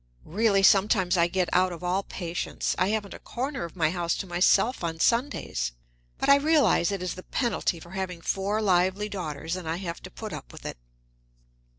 Really, sometimes I get out of all patience I haven't a corner of my house to myself on Sundays! But I realize it is the penalty for having four lively daughters, and I have to put up with it."